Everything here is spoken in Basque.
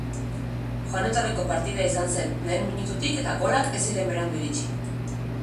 Joan etorriko partida izan zen lehen minututik eta golak ez ziren berandu iritsi.